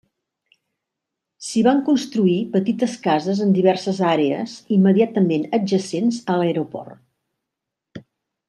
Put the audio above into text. S'hi van construir petites cases en diverses àrees immediatament adjacents a l'aeroport.